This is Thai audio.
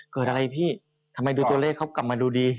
เกิดอะไรพี่ทำไมดูตัวเลขเขากลับมาดูดี